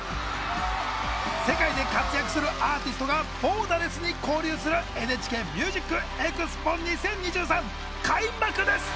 世界で活躍するアーティストがボーダレスに交流する「ＮＨＫＭＵＳＩＣＥＸＰＯ２０２３」開幕です！